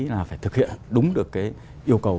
là phải thực hiện đúng được cái yêu cầu